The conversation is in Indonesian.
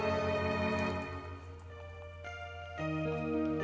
demi gue kelah mant gerade nggak